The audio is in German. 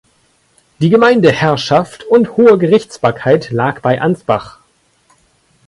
Die Gemeindeherrschaft und hohe Gerichtsbarkeit lag bei Ansbach.